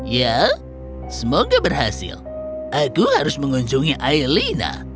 ya semoga berhasil aku harus mengunjungi aelina